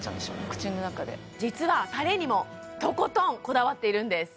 口の中で実はタレにもとことんこだわっているんです